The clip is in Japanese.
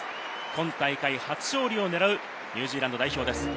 今大会、初勝利を狙うニュージーランド代表です。